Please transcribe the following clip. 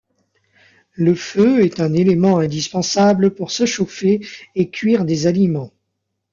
Le feu est un élément indispensable pour se chauffer et cuire des aliments.